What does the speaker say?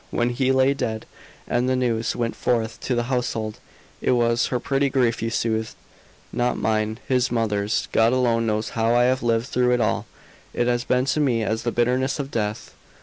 When he lay dead, and the news went forth to the household, it was her petty grief you soothed, not mine, his mother's. God alone knows how I have lived through it all; it has been to me as the bitterness of death."